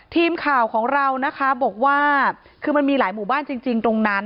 ทีมข่าวของเรานะคะบอกว่าคือมันมีหลายหมู่บ้านจริงตรงนั้น